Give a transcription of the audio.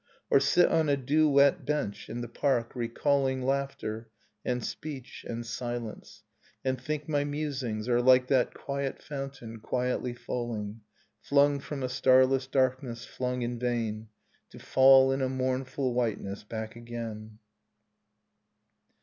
Or sit on a dew wet bench in the park, recalling Laughter, and speech, and silence, and think my musings Are like that quiet fountain, quietly falling: Flung from a starless darkness, flung in vain To fall in a mournful whiteness back again.